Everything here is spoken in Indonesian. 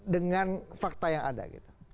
dengan fakta yang ada gitu